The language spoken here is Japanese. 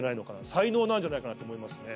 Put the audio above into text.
才能なんじゃないかなと思いますね。